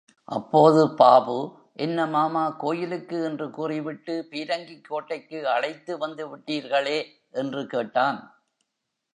அப்போது பாபு, என்ன மாமா கோயிலுக்கு என்று கூறிவிட்டு பீரங்கிக்கோட்டைக்கு அழைத்து வந்து விட்டீர்களே? என்று கேட்டான்.